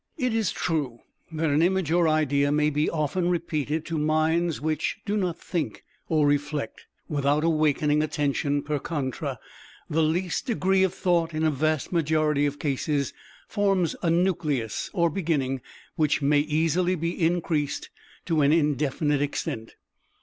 It is true that an image or idea may be often repeated to minds which do not think or reflect, without awakening attention; per contra, the least degree of thought in a vast majority of cases forms a nucleus, or beginning, which may easily be increased to an indefinite extent.